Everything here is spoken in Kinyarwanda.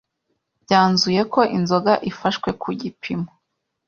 bwanzuye ko inzoga ifashwe ku gipimo